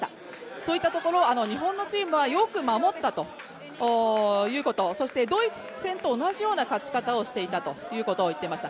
そういったことで日本のチームはよく守ったということそしてドイツ戦と同じような勝ち方をしていたと言っていました。